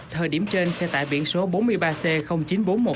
thời điểm trên xe tải viễn số bốn mươi ba c chín nghìn bốn trăm một mươi sáu